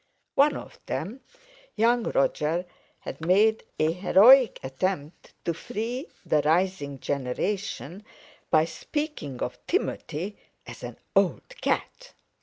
One of them (young Roger) had made an heroic attempt to free the rising generation, by speaking of Timothy as an "old cat."